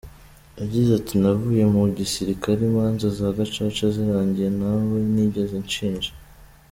Yagize ati"Navuye mu gisirikare imanza za gacaca zirangiye, ntawe nigeze nshinja".